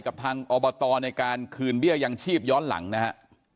กับทางอบตในการคืนเบี้ยยังชีพย้อนหลังนะฮะ